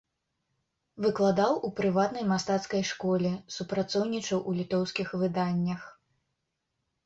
Выкладаў у прыватнай мастацкай школе, супрацоўнічаў у літоўскіх выданнях.